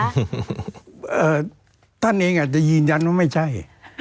ท่านเองอาจจะยืนยันว่าไม่ใช่